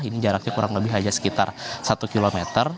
ini jaraknya kurang lebih hanya sekitar satu km